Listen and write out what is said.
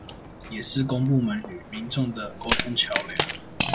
也是公部門與民眾的溝通橋樑